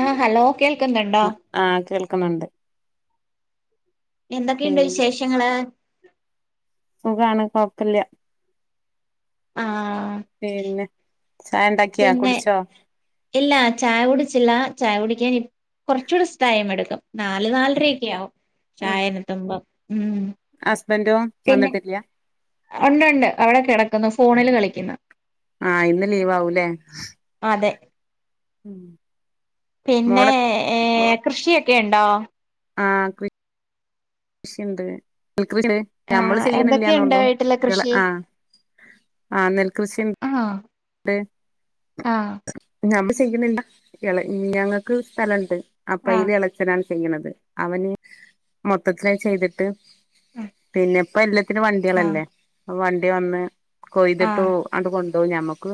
ആഹ് hello കേൾക്കുന്നൊണ്ടോ ആഹ് ആഹ് കേൾക്കുന്നൊണ്ട് എന്തൊക്കെയുണ്ട് പിന്നെ വിശേഷങ്ങള് സുഖാണ് കൊഴപ്പല്ല്യ ആഹ് പിന്നെ ചായ ഒണ്ടാക്കിയോ പിന്നെ കുടിച്ചോ ഇല്ല ചായ കുടിച്ചില്ല ചായ കുടിക്കാന് കൊറച്ചൂടെ സ് റ്റൈമെടുക്കും നാല് നാലരയൊക്കെ ആവും ചായ കിട്ടുമ്പോ ഉം ഹസ്ബന്റോഡ പിന്നെ ഒണ്ടൊണ്ട് അവടെ കെടക്കുന്നു ഫോണില് കളിക്കുന്നു ആഹ് ഇന്ന് ലീവാവും ഇല്ലേ അതെ പിന്നെ മോളെ ഏഹ് കൃഷിയൊക്കെയൊണ്ടോ ആഹ് കൃ ഷിയുണ്ട് [unintelligible] ഞമ്മള് ആഹ് എന്തൊക്കെയുണ്ട് ചെയ്യുന്നില്ല്യാന്നെയൊള്ളു വീട്ടിലെ കൃഷി ആഹ് ആഹ് നെൽകൃഷി ആഹ് ആഹ് [unintelligible] ഞങ്ങക്ക് സ്ഥലൊണ്ട് ആഹ് അപ്പയില് എളേച്ചനാണ് ചെയ്യണത് അവന് മൊത്തത്തിലായി ചെയ്തിട്ട് പിന്നെ ഇപ്പോ എല്ലാത്തിനും ആഹ് വണ്ടികളല്ലേ അപ്പൊ വണ്ടി വന്ന് കൊയ്തിട്ടു ആഹ് പോവും അത് കൊണ്ടോവും ഞമ്മക്ക്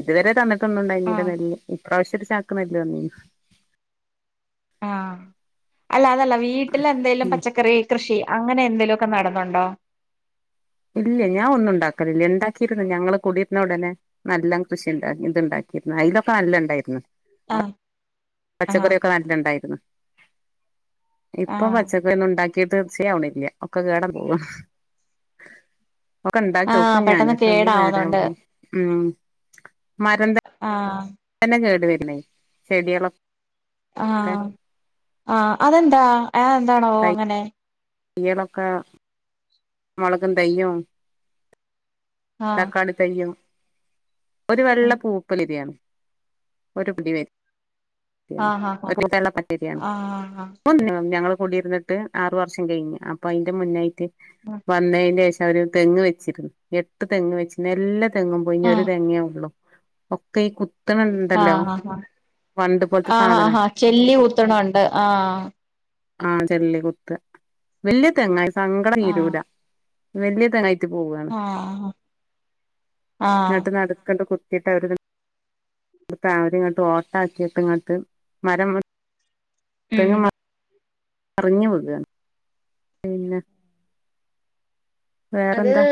ഇതുവരെ തന്നിട്ടൊന്നുണ്ടായിരുന്നില്ല ആഹ് നെല്ല് ഇപ്രാവശ്യം ഒരു ചാക്കു നെല്ല് തന്നിരുന്നു ആഹ് അല്ല അതല്ല വീട്ടില് എന്തേലും ഉം പച്ചക്കറി കൃഷി അങ്ങനെ എന്തേലുവൊക്കെ നടുന്നൊണ്ടോ ഇല്ല്യ ഞാൻ ഒന്നും ഒണ്ടാക്കണില്ല ഇണ്ടാക്കിരുന്നു ഞങ്ങള് കുടിയിരുന്ന ഒടനെ നെല്ലാം കൃഷിണ്ട് ഇത്ണ്ടാക്കിരുന്നു അതിലൊക്കെ നല്ല ഇണ്ടായിരുന്നു ആഹ് ആഹ് പച്ചക്കറിയൊക്കെ നല്ല ഇണ്ടായിരുന്നു ഇപ്പൊ ആഹ് പച്ചക്കറി ഒന്നും ഉണ്ടാ ക്കിയ തൃപ്തിയേ ആവണില്ല ഒക്കെ കേടായി പോവ്വാ ക്കെ ഇണ്ടാക്കി ആഹ് നോക്കും ഞാന് പെട്ടെന്ന് പക്ഷെ ഒന്നും കേടാവുന്നുണ്ട് നേരാവുന്നേ ഉം മരന്ത ആഹ് തന്നെ കേട് വരുന്നെ ചെടികളൊ അഹ് അഹ് അതെന്താ അതെന്താണവോ അങ്ങനെ ഏതൊക്കെ മുളകും തൈയ്യും ആഹ് തക്കാളി തൈയ്യും ഒരു വെള്ള ഉം പൂപ്പലിരയാണ് ഒരു പുടി [unintelligible] [inaudible] ആഹ് ആഹ് ആഹ് ആഹ് ഞങ്ങള് കുടിയിരുന്നി ട്ട് ആറു വർഷം കഴിഞ്ഞ് അപ്പൊ അയിന്റെ മുന്നായിട്ട് ആഹ് വന്നെന്റെ ശേഷം അവര് തെങ്ങു വെച്ചിരുന്നു എട്ട് തെങ്ങു വെച്ചിരുന്നു എല്ലാ തെങ്ങും പോയി ഇനി ഒരു ആഹ് തെങ്ങേ ഒള്ളു ഒക്കയ് കു ആഹ് ആഹ് പോലത്തെ ആഹ് സാധനം ആഹ് ചെല്ലി കുത്തണകൊണ്ട് ആഹ് ആഹ് ചെല്ലി കുത്ത് വല്ല്യ തെങ്ങായി സങ്കടം ആഹ് തീരുല്ലാ വല്ല്യ തെങ്ങായിട്ട് പോവ്വാണ് ആഹ് ആഹ് എന്നിട്ട് നടുക്കൊക്കെ കുത്തിയിട്ട് അവര് ഇപ്പ അവരിങ്ങോട്ട് ഓട്ട ആക്കിയിട്ട് ഇങ്ങോട്ട് മരം മു ഉം തെങ്ങു മ മറിഞ്ഞു പോകയുകയാണ് പിന്നെ അത് വേറെന്താ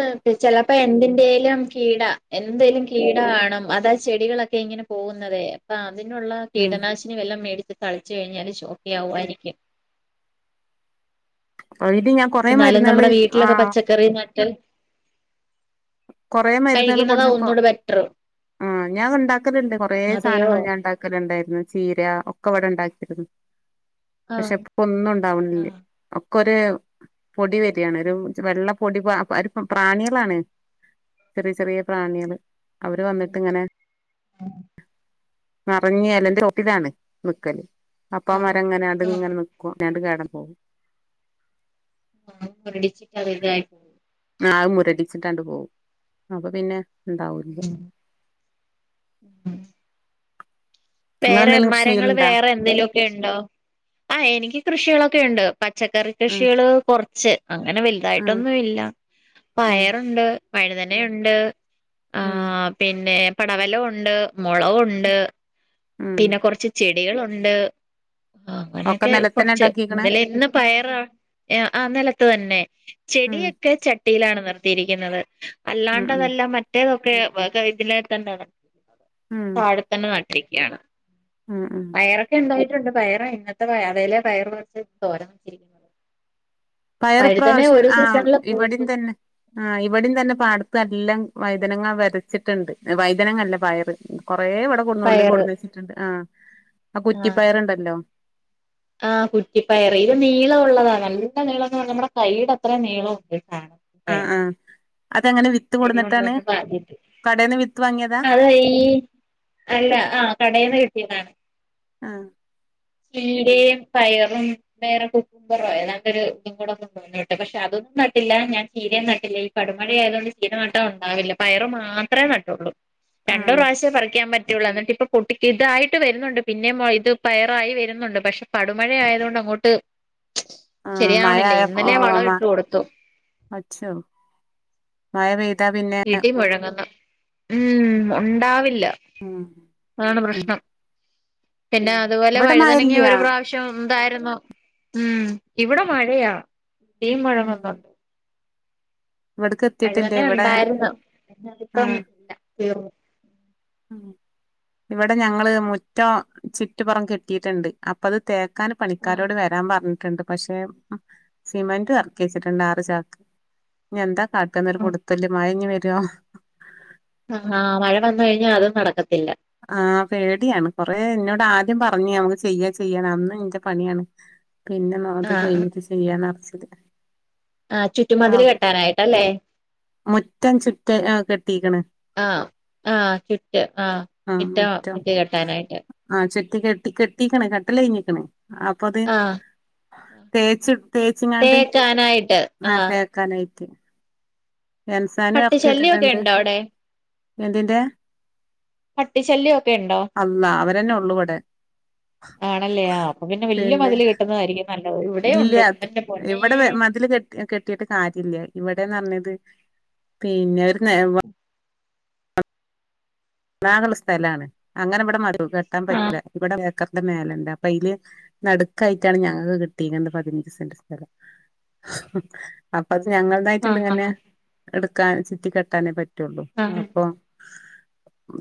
ചെലപ്പോ എന്തിന്റെലും കീട എന്തെലും കീടാകാണും അതാ ചെടികളൊക്കെ ഇങ്ങനെ പോകുന്നതേ അപ്പ അതിനുള്ള ഉം കീടനാശിനി വെല്ലോം മേടിച്ച് തളിച്ച് കഴിഞ്ഞാല് ഓക്കെ ആവുമായിരിക്കും ഓ ഇത് ഞാ എന്നാലും നമ്മുടെ വീട്ടിലൊക്കെ പച്ചക്കറി നട്ട് കൊറേ മരുന്നുകള് കഴിക്കുന്നതാ കൊണ്ടുന്നുയിപ്പൊ ഒന്നൂടെ ബെറ്റർ ആഹ് ഞാൻ ഉണ്ടാക്കുന്നുണ്ട് കൊറേ അതെയോ സാനങ്ങള് ഞാൻ ണ്ടാ ണ്ടാക്കലിണ്ടായിരുന്നു ചീര ഒക്കെ ഇവിടെ ഒണ്ടാക്കിരുന്നു പക്ഷെ ആഹ് ഇപ്പ ഒന്നും ഉണ്ടാവണില്ല ആഹ് ഒക്കെ ഒരു പൊടി വരികയാണ് ഒരു ഉം വെള്ള പൊടി പ ഒരു പ്രാണികളാണ് ചെറിയ ചെറിയ പ്രാണികള് അവര് വന്നിട്ടിങ്ങനെ ഉം നെറഞ്ഞു യെലേന്റെ അടിയിലുമൊക്കെ ഇതാണ് നിക്കല് അപ്പൊ ആഹ് മരങ്ങനെ ആഹ് അതങ്ങനെ നി കൊ ഞാണ്ട് കേടാൻ പോകും [inaudible] ആഹ് മുരടിച്ചിട്ടാണ്ട് പോവും അപ്പൊ പിന്നെ ഇണ്ടാവുല്ല [inaudible] വേറെ നിങ്ങളെന്തേലും കൃഷി മരങ്ങള് ചെയ്യലുണ്ടാ വേറെ എന്തേലു ഒ ക്കെണ്ടോ ആഹ് എനിക്ക് കൃഷികളൊക്കെ ഉണ്ട് പച്ചക്കറി ആഹ് കൃഷികള് കൊറച്ച് അങ്ങനെ ആഹ് വലുതായിട്ടൊന്നും ഇല്ല ആഹ് പയറുണ്ട് വഴുതനയുണ്ട് ഉം ആഹ് പിന്നെ പടവലവൊണ്ട് മൊളകൊണ്ട് ഉം പിന്നെ കൊറച്ച് ചെടികളൊണ്ട് ആഹ് ഒക്കെ അങ്ങനെയൊക്കെ നിലത്തന്നെ കൊറച്ച് ഉണ്ടാക്കിക്കണേ എന്തേലും ഇന്ന് പയറാ ഏഹ് ആഹ് നെലത്ത് തന്നെ ഉം ചെടിയൊക്കെ ചട്ടിയിലാണ് നിർത്തിയിരിക്കുന്നത് ഉം ഉം അല്ലാണ്ടതെല്ലാം മറ്റേതൊക്കെ വ ഇതിലെ തന്നെ ന താഴത്തന്നെ നട്ടിരി ക്കാണ് ആഹ് ആഹ് പയറൊക്കെ ഉണ്ടായിട്ടുണ്ട് പയറ് ഇന്നത്തെ പയറേലെ പയറ് കുറച്ച് തോരൻ വച്ചിരിക്കുന്ന് പയറ് ഇപ്രാവശ്യം ഒരു ആഹ് സീസണില് ഇവിടെം പൂത്തു തന്നെ ആഹ് ഇവിടേം തന്നെ പാടത്ത് എല്ലാം വൈതനങ്ങ വെതച്ചിട്ടുണ്ട് വൈതനങ്ങ അല്ല പയറ് കൊറേവിടെ കൊടന്നുള്ളി പയറ് കൊടഞ്ഞ് വച്ചിട്ടുണ്ട് ആഹ് ആ കുറ്റിപ്പയറണ്ടല്ലോ ആഹ് കുറ്റിപ്പയറ് ഇത് നീളം ഒള്ളതാ നല്ല നീളം എന്നു പറഞ്ഞ നമ്മുടെ കൈയുടെ അത്രയും നീളം ഉണ്ട് സാനം ആഹ് പയറ് ആഹ് അതങ്ങനെ വി അരി കൊണ്ടുവന്ന് പാകീട്ട് വിത്ത് വാങ്ങിയതാ അതീ - അല്ല ആ കടേന്ന് കിട്ടിയതാണ് ആഹ് ചീരയും പയറും വേറെ കുക്കുമ്പോറോ ഏതാണ്ട് ഒരു ഇതുംകൂടെ- ട്ട് പക്ഷെ അതൊന്നും നട്ടില്ല ഞാൻ ചീരയും നട്ടില്ല ഈ കടുമഴ ആയതു കൊണ്ട് ചീര നട്ടാൽ ഉണ്ടാവില്ല പയറ് മാ ത്രേ നട്ടൊള്ളൂ- രണ്ട് ആഹ് പ്രാവശ്യേ പറിക്കാൻ പറ്റുള്ളൂ എന്നിട്ട് ഇപ്പൊ പൊട്ടിക്ക് ഇതായിട്ട് വരുന്നുണ്ട് പിന്നെ മൊ ഇത് പയർ ആയി വരുന്നുണ്ട് പക്ഷെ പടു മഴ ആയതുകൊണ്ട് അങ്ങോട്ട് ആഹ് മഴ ശരിയാവണില്ല ആയ ഇന്നലെ ഓഹ് വളം മ ഇട്ടു കൊടുത്തു. അച്ചോ. മയ പെയ്താ പിന്നെ ഇടി മുഴങ്ങുന്നു ഉം ഉണ്ടാവില്ല. ഉം. അതാണ് ഉം പ്രശ്നം പിന്നെ അതുപോലെ ഇവിടെ മഴ വഴുതനങ്ങ ഇല്ല ഒരു പ്രാവ് ശ്യം ഉണ്ടായിരുന്നു ഉം ഇവിടെ മഴയാ തീ മഴ ഉം മൊത്തം. ഇവിടക്ക് അത് എത്തിയിട്ടില്ല തന്നെ ഇവിടെ ഉണ്ടായിരുന്നു ഇപ്പം ആഹ് തീർന്നു. ഇവിടെ ഞങ്ങള് മുറ്റം ചുറ്റുപറം കെട്ടിയിട്ടുണ്ട് അപ്പം അത് തേ ക്കാൻ ആ പണിക്കാരോട് വരാൻ പറഞ്ഞിട്ടുണ്ട് പക്ഷെ സിമെന്റ് ഇറക്കി വെച്ചിട്ടുണ്ട് ആറ് ചാക്ക് ഇനി എന്താ കാട്ടന്നത് കൊടുത്തല് മഴ ഇനി വരോ? ആഹ് മഴ വന്നു കഴിഞ്ഞാൽ അതും നടക്കത്തില്ല. ആഹ് പേടിയാണ് കൊറെ എന്നോട് ആദ്യം പറഞ്ഞേ ഒന്ന് ചെയ്യാം ചെയ്യാം എന്ന് ഇന്റെ പണിയാണ് പിന്നെ നോക്കട്ടേ ആഹ് കഴിഞ്ഞിട്ട് ചെയ്യാൻ അറച്ചത്. ആ ചുറ്റുമതിൽ ആഹ് കെട്ടാനായിട്ടല്ലേ മുറ്റം ചുറ്റേ ആഹ് കെട്ടീക്കണ്. ആഹ് ആഹ് കെട്ടിയേ ആഹ്. ആഹ് മുറ്റം മുറ്റോ മുറ്റ കെട്ടാനായിട്ട് ആഹ് ചെട്ടി കെട്ടി കെട്ടീക്കണ് കട്ടല കഴിഞ്ഞിക്കണ്. പ്പൊ അതേ ആഹ് തേച്ച് തേച്ചിങ്ങാണ്ട് ആഹ് തേ ക്കാനായിട്ട്. എംസാനും പട്ടി ശല്യമൊക്കെ ഇറക്കിയിട്ടിട്ടുണ്ട് ഉണ്ടോ അവിടെ എതിന്റെ? പട്ടി ശല്യം ഒക്കെ ഇണ്ടോ? അവരെന്നെ ഉള്ളു ഇവിടെ ആണല്ലേ അപ്പൊ പിന്നെ വല്യ മതില് കെട്ടുന്നതായിരിക്കും നല്ലത് ഇവിടെ ഉണ്ട് അത് എന്റെ പൊന്നേ ഇവിടെ വെ മതില് കെട്ടി കെട്ടിട്ട് കാര്യ ഇല്ല ഇവിടെന്ന് പറഞ്ഞത് പിന്നെ ഒരു നേ നാൾ ഇള്ളെ സ്ഥലാണ് അങ്ങനെ ഇവിടെ മതിൽ കെട്ടാൻ ആഹ് പറ്റില്ല ഇവിടെ വേക്ക ടെ മേലെ ഇണ്ട് അപ്പൊ അയില് നടുക്കായിറ്റാണ് ഞങ്ങൾക്ക് കിട്ടിയിരിക്കണ്ട് പതിനഞ്ച് സെന്റ് സ്ഥലം. ഉം അപ്പത് ഞങ്ങൾ നായിട്ടുണ്ട് ആഹ് ഇങ്ങനെ ആഹ് എടുക്കാൻ ചുറ്റി കെട്ടാനേ പറ്റുള്ളൂ ആഹ് അപ്പൊ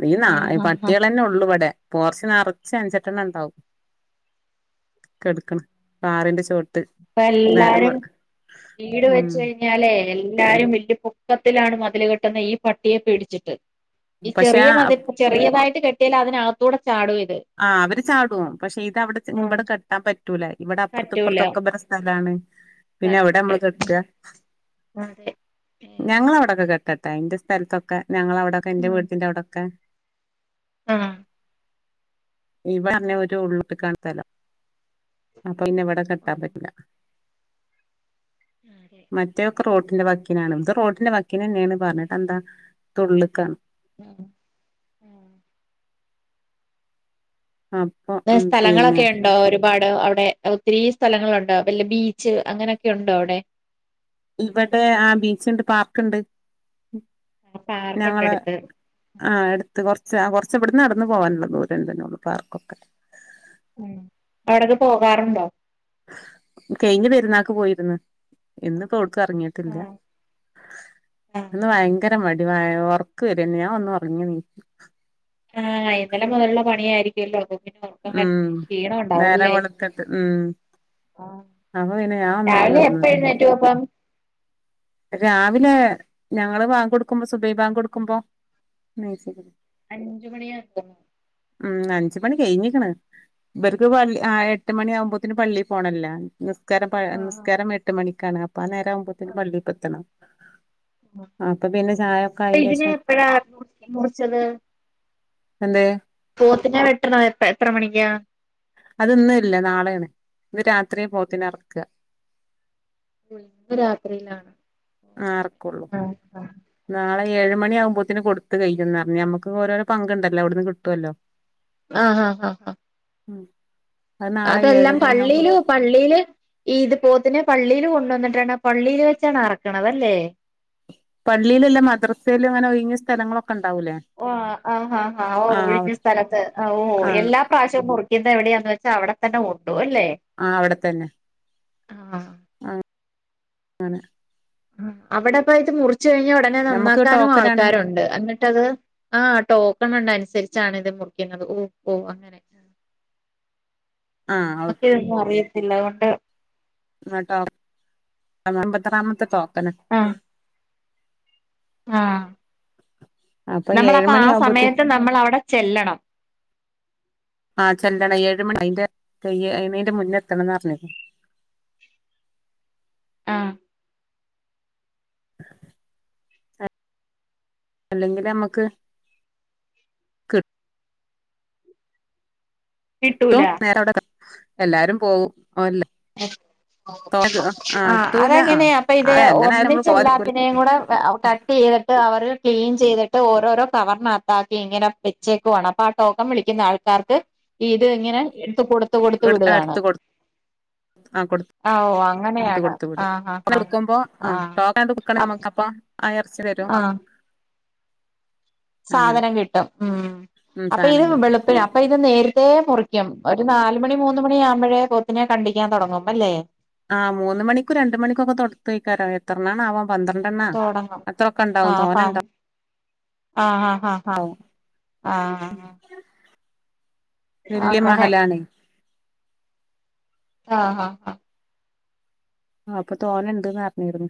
ഈ നായി ആഹ് ആഹ് പട്ടികളന്നെ ഉള്ളൂ ഇവിടെ. പോറച്ച് നെറച്ച് അഞ്ചെട്ടെണ്ണം ഉണ്ടാവും കെടുക്കണ് കാറിന്റെ ചോട്ട് ഇപ്പ നേരം എല്ലാരും വെള് വീട് വെച്ച് ഉം കഴി ഞ്ഞാലേ എല്ലാരും വലിയ പൊക്കത്തിലാണ് മതില് കെട്ടുന്നേ ഈ പട്ടിയെ പേടിച്ചിട്ട്. ഈ പക്ഷെ ചെറിയ ആ മതി ചെറിയതായിട്ട് കെട്ടിയാൽ അതിനകത്തൂടെ ചാടും ഇത്. ആഹ് അവര് ചാടും പക്ഷെ ഇത് അവിടെ ചെമ് ആഹ് ഇവിടെ കെട്ടാൻ പറ്റ് പറ്റൂല ഇവിടെ അപ്പുറത്ത് പറ്റൂല ഇപ്പുറത്തൊക്കെ ഇബരെ സ്ഥലാണ്. പിന്നെ എവിടെയാ സ്ഥലമുണ്ട് നമ്മള് കെട്ടുക. അതെ ഞങ്ങളെ അവിടൊക്കെ കെട്ടട്ടെ എന്റെ സ്ഥത്തൊക്കെ ഞങ്ങള അവിടൊക്കെ എന്റെ ഉം വീടിന്റെ അവിടൊക്കെ. ആഹ് ഇവിടെന്നെ ഒരു ഉള്ളത്ത്ക്കാണ് സ്ഥലം അപ്പൊ പിന്നെ ഇവിടെ കെട്ടാൻ പറ്റില്ല. അതെ. മറ്റേവക്ക് റോട്ടിന്റെ വക്കിനാണ് ഇത് റോഡിന്റെ വക്കിനന്നെയാണ് പറഞ്ഞിട്ട് എന്താ ഉള്ളിക്കാണ്. ആഹ്. അപ്പം സ്ഥലങ്ങളൊക്കെ ഉണ്ടോ ഒരു ഒരുപാട് അവിടെ ഒത്തിരി സ്ഥലങ്ങളുണ്ടാ വല്യ ബീച്ച് അങ്ങനെയൊക്കെ ഉണ്ടോ അവിടെ ഇവെടെ ആ ബീച്ച്ണ്ട് പാർക്ക്ണ്ട് പാർക്കുണ്ട് ഞങ്ങള് അടുത്ത് ആഹ് എടുത്ത് കൊറച്ച് കൊറച്ച് വിടുന്ന് നടന്ന്ു പോകാനുള്ളോ ദൂരം തന്നോള്ള പാർക്കൊക്കെ ഉം ഇപ്പ അവിടക്കെ പോകാറുണ്ടോ. കഴിഞ്ഞ പെരുന്നാക്ക് പോയിര്ന്ന്. ഇന്ന് ഇപ്പോ യൌട്ക്കട്ട എറങ്ങിട്ടില്ല ആഹ് ആഹ് ഇന്ന് ഭയങ്കര മടി [unintelligible] ആഹ് ഇന്നലെ മുതല്ള്ള പണിയായിരിക്കും ഉം [unintelligible] ക്ഷീണം നേരം ഉണ്ടാവല്ലെ വെളുത്തിട്ട് ഉം ആ അപ്പൊ പിന്നെ ഞാൻ ഒന്നാണ്ട് രാവിലെ കെടന്നൊറങ്ങി എപ്പഴുന്നേറ്റു അപ്പം രാവിലെ ഞങ്ങള് വാങ്ങ കൊടുക്കുമ്പം സുബൈ ബാങ്ങ് കൊടുക്കുമ്പ മച്ചുന്നത് അഞ്ച് മണിയക്കോ ഉം അഞ്ച് കണിഴിഞ്ഞ് ഇപ ഇവർക്ക് ഇവര്ക്ക് എട്ട് മണി ആകുമ്പോത്തന് പള്ളീ പോണല്ല ആഹ് ആഹ് നിസ്കാരംസ്കാരം എട്ട് മണിക്കാണ്. അപ്പ ആ നേരംവുമ്പോത്തേന് ആഹ് പള്ളിയി എത്തണം അപ്പൊ പിന്നെ ചായൊക്കെ അപ്പൊ ആയേന്റെ ഇതിനെ ശേഷം. എപ്പഴാ മുറിച്ചത് എന്തെ പോത്തിന് വെട്ടണോ എ എത്ര മണിക്ക്ാ അത് ഇന്ന് ഇല്നാളെയാണ് ഇത് രാത്രി പോത്തിന ഇറക്കുക കുയ്ന്ന് ന്ത്രാത്രിയിലാണ് ഓ ആ അങ്ങനെ അറക്കൊള്ളൂ ആ,. നാളെ ഏഴ് മണി ആകുമ്പോത്തേന് കൊടുത്ത് കഴയിന്ന് പറഞ്ഞഞ് നമുക്ക് ഓരോരോ പങ്കുണ്ടല്ലോ അവിടു നിന്ന് കിട്ടുമല്ലോ. ആഹ ആഹ ആഹ ആഹ ഉം അതെല്ലാം പള്ളിയില പള്ളിയില് ഈ ഇത് പോത്തിനെ പള്ളിയിൽ കൊണ്ടുവന്നിട്ടാണ് പള്ളിയിൽ വെച്ചാണ് അറക്കണത് ലെ. പള്ളിയിലല്ല മദ്രസയിലൽ അങ്ങനെ ഒഴങ്ങിയ സ്ഥലങ്ങളൊക്കെ ഉണ്ടാവൂലേ ഓ ആഹാ ഹാ ഓ ആഹ് ഒഴിഞ്ഞ അവിടെ സ്ഥലത്ത് ഓ ആഹ് എല്ലാ പാശം മുറിക്കുന്നത് എവിടെയാണന്ന് വെച്ചാൽ അവിടെ തന്നെ ഉണ്ടു അല്ലേ ആ അവിടെത്തന്നെ ആഹ്. ആണ്. [unintelligible] അവിടെപ്പത് മുറിച്ച കഴിഞ്ഞഞ് ഉടനെ ഞമ്മക്ക് നന്നാക്കാനും ടോക്കനാണ് ആൾക്കാരുണ്ട് ഇന്നിട്ട് മത് ആ ടോക്കൺ ഉണ്ട അനുസരിച്ചാണ് ഇത് മുറിക്കുന്നത് ഓ ഓ അങ്ങനെ ആഹ് നമ്മക്ക് ഇതൊന്നും അറിയത്തില്ല അതുകൊണ്ട് ഇന്നട്ടാ. എത്രാമത്തെ തോരഞ്ഞ ല [unintelligible] [unintelligible] ആ ആഹ്. നമ്മള ഏഴ് അപ്പൊ മണി ആ ആകുമ്പോത്തിന് സമയത്ത് നമ്മൾ അവിടെ ചെല്ലണം ആഹ ചെല്ലണം ഏഴ് മണി അയ്ന്റെ കയ്യ അ അന്റെ മുന്നെ എത്തണംന്ന് പറഞ്ഞോ ആ ഉ അല്ലെങ്കിലും നമുക്ക്. എത്തും കിട്ടൂല നേര അവിടെ എല്ലാരും പോവും ല്ല ത ആ ആഹ് ഇട്ടൂല ആ അതെങ്ങനെയാ അപ്പൊ ഇത് അഹ് എങ്ങനെ ആയാലും നമ്മള് പോവാതിരിക്കൂല ഒന്നിച്ചെല്ലാത്തിനെയും കൂടെ കട്ട് ചെയ്തിട്ട് അവർ ക്ലീൻ ചെയ്തിട്ട് ഓരോരോ കവറിനകത്താക്കി ഇങ്ങനെ വെച്ചേക്കുവാണ് അപ്പൊ ആ ടോക്കം വിളിക്കുന്ന ആൾക്കാർക്ക് ഇത് ഇങ്ങനെ എടുത്ത് കൊടു എടു ആഹ് എടുത്ത കൊടുത്തു ആ ആഹ് ഓ കൊടുത്ത അങ്ങനെയാണ് കൊടുത്ത് വിടും ആഹ് ആഹ് ആഹ് കൊടുക്കുമ്പോ ആഹ് ടോക്കൻ അപ് കൊടുക്കണമ്മക്ക് അപ്പം ആഹ് എറച്ചി തരും ആഹ് അങ്ങനെ സാധനം കിട്ടും ഉം ഉം അപ്പ ഈ സാധനം കിട്ടും വെളുപ്പി അപ്പൊ അയിനെ നേരത്തെേ മുറിക്കും ഒരു നാല്മണി മൂന്ന്മണിയാവുമ്പഴേ പോത്തിനെ കണ്ടിക്കാൻ തൊടങ്ങും അല്ലേ? ആഹ് മൂന്ന്മണിക്കും രണ്ട്മണിക്കൊക്കെ തൊടത്തോക്കാരം എത്രണ്ണാ ണാവോ പന്ത്രണ്ടെണ്ണ തുടങ്ങും അത്രൊക്കെണ്ടാവും ആഹ് അപ്പ തോനണ്ടാവും ആഹ് ആഹ് ആഹ് ആഹ് ആഹ് വല്യ അങ്ങനെ മഹല്ലാണെ ആഹ് ആഹ് ആ ആഹ് അപ്പൊ തോനേ ഇണ്ട്ന്ന് പറഞ്ഞിരുന്നു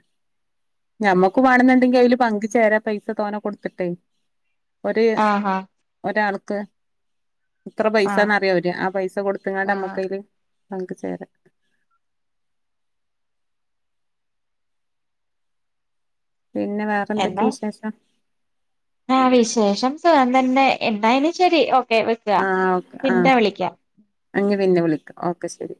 ഞമ്മക്ക് വാണന്ന്ണ്ടെങ്കി അയില് പങ്ക് ചേരാ പൈസ തോന കൊടുത്തിട്ടേ ഒര് ആഹ് ആഹ് ഒരാൾക്ക് ഇത്ര ആഹ് പൈസാന്നറിയും അവര് ആ പൈസ കൊടുത്ത്ങ്ങാണ്ട് ആഹ് നമ്മക്കയില് പങ്ക് ചേരാ പിന്നെ വേറെന്തൊക്കെ എന്നാ വിശേഷം? ആഹ് വിശേഷം സുഖം തന്നെ എന്തായാലും ശരി ഓക്കെ വെക്കുവ ആഹ് ഓക്കെ പിന്നെ വിളിക്കാം ആഹ് ഇഞ് പിന്നെ വിളിക്കാം ഓക്കെ ശരി